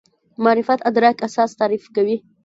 معرفت ادراک اساس تعریف کوي.